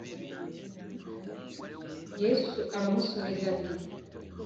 Yesu aramusubiza ati